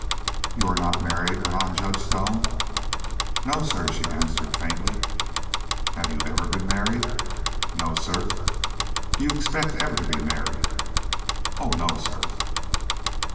"You are not married?" went on Judge Stone. "No, sir," she answered, faintly. "Have you ever been married?" "No, sir." "Do you expect ever to be married?" "Oh! No, sir."